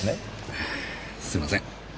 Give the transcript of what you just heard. ええすいません。